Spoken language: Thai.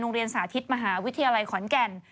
โรงเรียนสาธิตมหาวิทยาลัยขอนแก่น